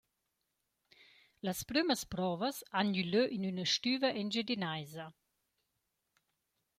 Las prümas prouvas han gnü lö in üna stüva engiadinaisa.